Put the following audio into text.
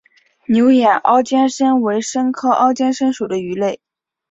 牛眼凹肩鲹为鲹科凹肩鲹属的鱼类。